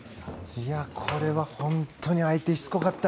これは本当に相手しつこかった。